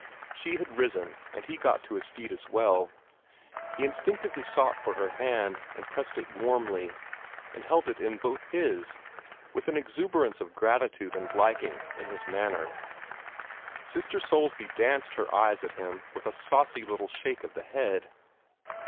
She had risen, and he got to his feet as well. He instinctively sought for her hand, and pressed it warmly, and held it in both his, with an exuberance of gratitude and liking in his manner. Sister Soulsby danced her eyes at him with a saucy little shake of the head.